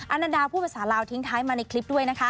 อานันดาผู้ประสาทลาวทิ้งท้ายมาในคลิปด้วยนะคะ